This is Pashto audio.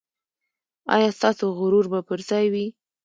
ایا ستاسو غرور به پر ځای وي؟